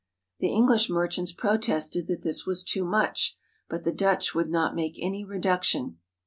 The Eng lish merchants protested that this was too much, but the Dutch would not make any reduction.